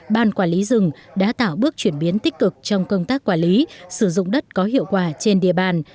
ban quản lý rừng đã tạo bước chuyển biến tích cực trong công tác quản lý sử dụng đất có hiệu quả trên địa bàn